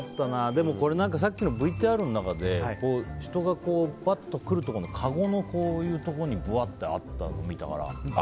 でも、さっきのＶＴＲの中で人がばっと来るところのかごのこういうところにぶわってあったの見たから。